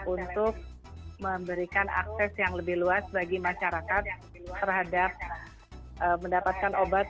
untuk memberikan akses yang lebih luas bagi masyarakat terhadap mendapatkan obat